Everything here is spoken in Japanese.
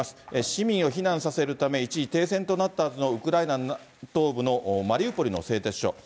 市民を避難させるため一時停戦となったはずのウクライナ東部のマリウポリの製鉄所。